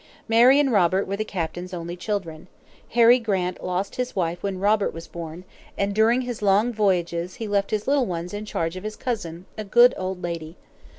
Mary and Robert were the captain's only children. Harry Grant lost his wife when Robert was born, and during his long voyages he left his little ones in charge of his cousin, a good old lady.